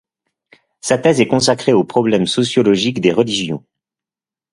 Sa thèse est consacrée aux problèmes sociologiques des religions.